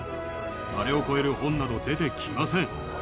あれを超える本など出てきません。